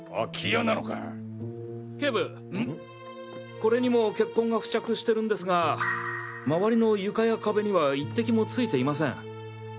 これにも血痕が付着してるんですが周りの床や壁には一滴もついていません。